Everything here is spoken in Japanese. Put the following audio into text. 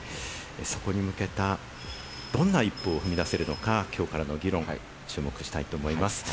そこに向けたどんな一歩を踏み出せるのか、きょうからの議論、注目したいと思います。